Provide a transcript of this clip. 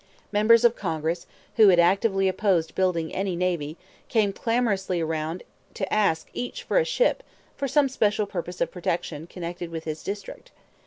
Members of Congress who had actively opposed building any navy came clamorously around to ask each for a ship for some special purpose of protection connected with his district.